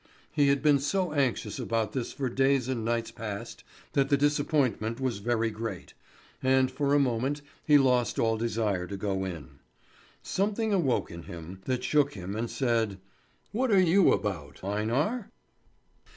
He had been so anxious about this for days and nights past that the disappointment was very great, and for a moment he lost all desire to go in. Something awoke in him, that shook him and said: "What are you about, Einar?"